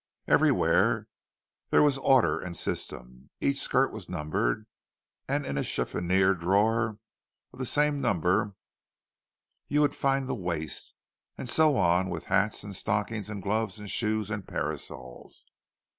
Everywhere there was order and system—each skirt was numbered, and in a chiffonier drawer of the same number you would find the waist—and so on with hats and stockings and gloves and shoes and parasols.